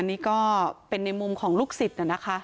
นี่ก็เป็นในมุมของลูกศิษย์นะคะ